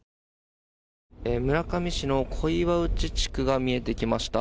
村上市の小岩内地区が見えてきました。